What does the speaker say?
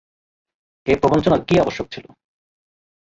এ প্রবঞ্চনার কী আবশ্যক ছিল।